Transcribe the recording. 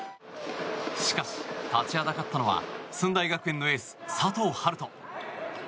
しかし、立ちはだかったのは駿台学園のエース、佐藤遥斗。